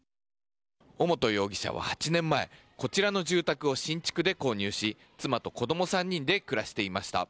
尾本容疑者は８年前こちらの住宅を新築で購入し、妻と子供３人で暮らしていました。